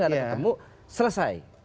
gak ada ketemu selesai